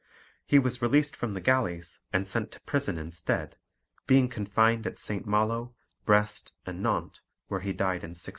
He was released from the galleys, and sent to prison instead, being confined at Saint Malo, Brest, and Nantes, where he died in 1692.